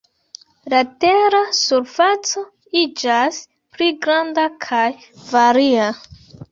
La tera surfaco iĝas pli granda kaj varia.